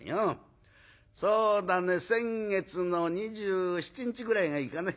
そうだね先月の２７日ぐらいがいいかね。